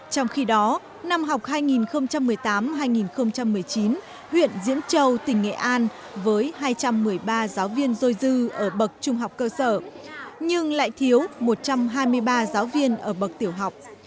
trong khi đó năm học hai nghìn một mươi tám hai nghìn một mươi chín huyện diễn châu tỉnh nghệ an với hai trăm một mươi ba giáo viên dôi dư ở bậc trung học cơ sở nhưng lại thiếu một trăm hai mươi ba giáo viên ở bậc tiểu học